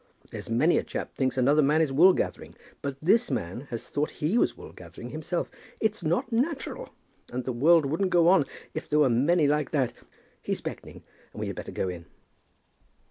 There's many a chap thinks another man is wool gathering; but this man has thought he was wool gathering himself! It's not natural; and the world wouldn't go on if there were many like that. He's beckoning, and we had better go in."